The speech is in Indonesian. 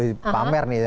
wih pamer nih ya